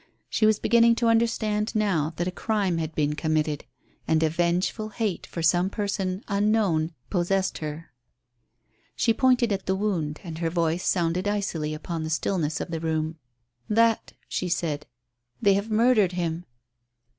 She was beginning to understand now that a crime had been committed, and a vengeful hate for some person unknown possessed her. She pointed at the wound, and her voice sounded icily upon the stillness of the room. "That," she said. "They have murdered him."